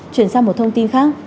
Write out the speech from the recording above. chuyển sang một thông tin khác